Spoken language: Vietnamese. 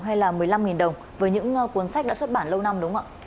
hay là một mươi năm đồng với những cuốn sách đã xuất bản lâu năm đúng không ạ